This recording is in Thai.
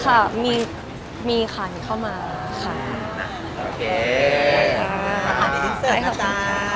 ค่ะมีมีไข่เข้ามาค่ะโอเคขอบคุณค่ะ